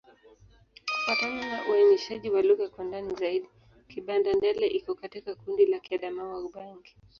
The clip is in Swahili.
Kufuatana na uainishaji wa lugha kwa ndani zaidi, Kibanda-Ndele iko katika kundi la Kiadamawa-Ubangi.